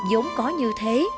giống có như thế